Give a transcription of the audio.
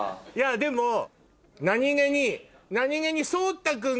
でも何げに。